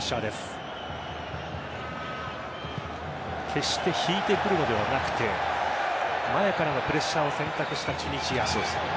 決して引いてくるのではなくて前からのプレッシャーを選択したチュニジア。